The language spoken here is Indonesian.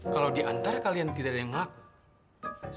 kalau di antara kalian tidak ada yang ngelakuin